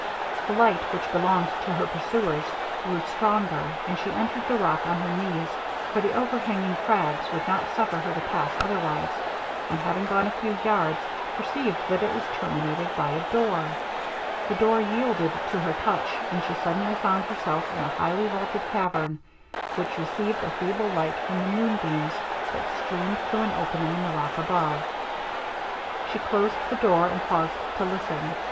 The light which belonged to her pursuers, grew stronger; and she entered the rock on her knees, for the overhanging craggs would not suffer her to pass otherwise; and having gone a few yards, perceived that it was terminated by a door. The door yielded to her touch, and she suddenly found herself in a highly vaulted cavern, which received a feeble light from the moon beams that streamed through an opening in the rock above. She closed the door, and paused to listen.